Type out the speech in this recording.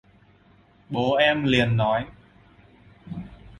Bố em liền nói